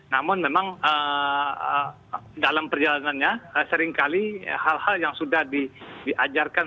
namun memang dalam perjalanannya seringkali hal hal yang sudah diajarkan